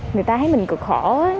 người ta thấy mình cực khổ